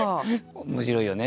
面白いよね